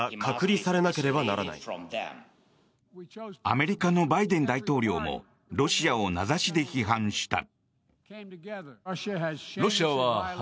アメリカのバイデン大統領もロシアを名指しで批判した。